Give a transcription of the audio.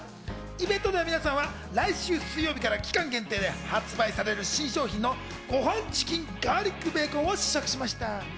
イベントでは皆さんは来週水曜日から期間限定で発売される新商品の「ごはんチキンガーリックベーコン」を試食しました。